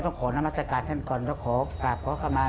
ต้องขอนามัศกาลท่านก่อนแล้วก็ขอกราบขอขมา